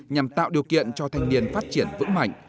nhằm tạo điều kiện cho thanh niên phát triển vững mạnh